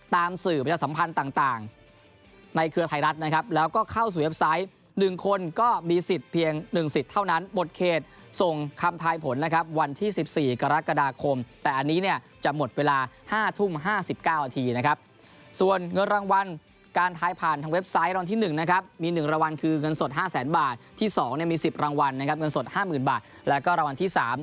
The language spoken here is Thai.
สื่อประชาสัมพันธ์ต่างในเครือไทยรัฐนะครับแล้วก็เข้าสู่เว็บไซต์๑คนก็มีสิทธิ์เพียง๑สิทธิ์เท่านั้นหมดเขตส่งคำทายผลนะครับวันที่๑๔กรกฎาคมแต่อันนี้เนี่ยจะหมดเวลา๕ทุ่ม๕๙นาทีนะครับส่วนเงินรางวัลการทายผ่านทางเว็บไซต์รางวัลที่๑นะครับมี๑รางวัลคือเงินสด๕แสนบาทที่๒มี๑๐รางวัลนะครับเงินสด๕๐๐๐บาทแล้วก็รางวัลที่๓